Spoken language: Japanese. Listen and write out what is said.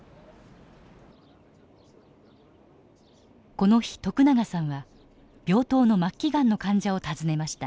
この日徳永さんは病棟の末期がんの患者を訪ねました。